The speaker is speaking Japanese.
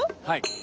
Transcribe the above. はい。